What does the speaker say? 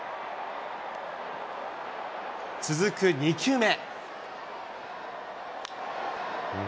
続く２球目。